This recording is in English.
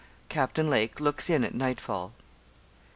CAPTAIN LAKE LOOKS IN AT NIGHTFALL.